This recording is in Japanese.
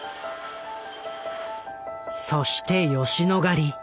そして吉野ヶ里。